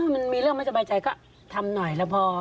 มันมีเรื่องไม่สบายใจก็ทำหน่อยแล้วพอ